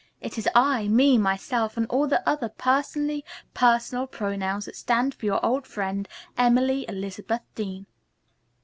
"It is I, me, myself and all the other personally personal pronouns that stand for your old friend, Emily Elizabeth Dean."